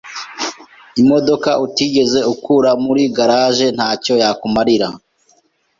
Imodoka utigeze ukura muri garage ntacyo yakumarira.